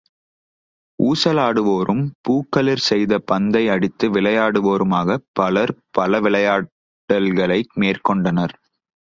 ஊசலாடுவோரும் பூக்களிற் செய்த பந்தை அடித்து விளையாடுவோருமாகப் பலர் பல விளையாடல்களை மேற்கொண்டனர்.